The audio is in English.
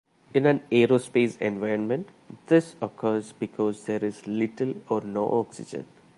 In an aerospace environment, this occurs because there is little or no oxygen.